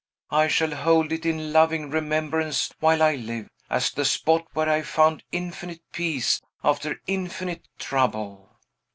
I shall hold it in loving remembrance while I live, as the spot where I found infinite peace after infinite trouble."